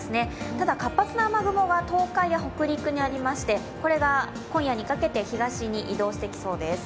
ただ、活発な雨雲が東海や北陸にありまして、これが今夜にかけて東に移動してきそうです。